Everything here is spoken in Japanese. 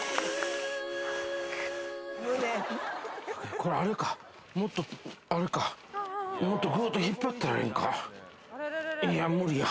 これ、あれか、もっとあれか、もっとぐーっと引っ張ったらええんか。